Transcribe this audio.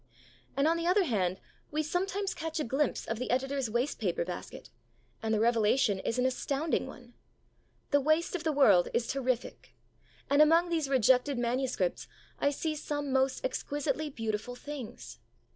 And, on the other hand, we sometimes catch a glimpse of the editor's waste paper basket, and the revelation is an astounding one. The waste of the world is terrific. And among these rejected manuscripts I see some most exquisitely beautiful things.